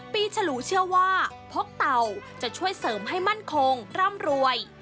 ฉลูเชื่อว่าพกเต่าจะช่วยเสริมให้มั่นคงร่ำรวย